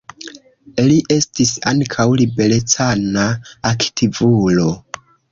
Li estas ankaŭ liberecana aktivulo.